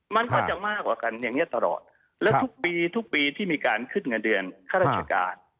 มันก็จะมากกว่ากันอย่างนี้ตลอดและทุกปีทุกปีที่มีการขึ้นเงินเดือนข้าราชการ